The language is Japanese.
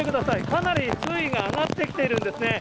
かなり水位が上がってきているんですね。